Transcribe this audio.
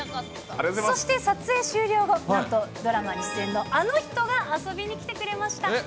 そして、撮影終了後、なんとドラマに出演のあの人が、遊びに来てくれました。